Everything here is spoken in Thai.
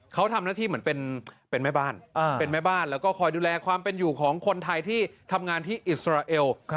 เขาทำหน้าที่เหมือนเป็นแม่บ้านเป็นแม่บ้านแล้วก็คอยดูแลความเป็นอยู่ของคนไทยที่ทำงานที่อิสราเอล